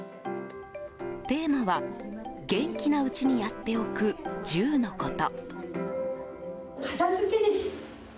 テーマは元気なうちにやっておく１０のこと。